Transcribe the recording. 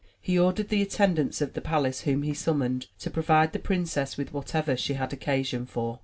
He ordered the attendants of the palace whom he summoned to provide the princess with whatever she had occasion for.